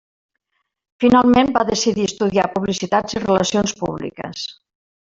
Finalment, va decidir estudiar Publicitat i Relacions Públiques.